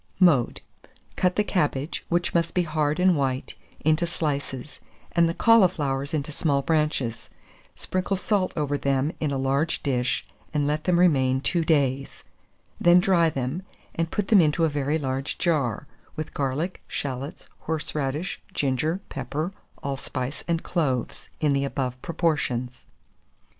Mode. Cut the cabbage, which must be hard and white, into slices, and the cauliflowers into small branches; sprinkle salt over them in a large dish, and let them remain two days; then dry them, and put them into a very large jar, with garlic, shalots, horseradish, ginger, pepper, allspice, and cloves, in the above proportions.